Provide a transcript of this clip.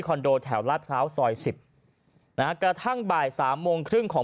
คอนโดแถวลาดเพล้าซอย๑๐ทางบ่าย๓๓๐ของ